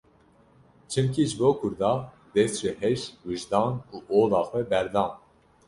Çimkî ji bo Kurda dest ji heş, wijdan û ola xwe berdan.